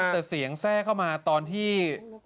แต่เสียงแทรกเข้ามาตอนที่